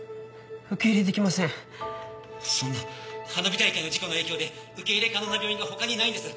そんな花火大会の事故の影響で受け入れ可能な病院が他にないんです。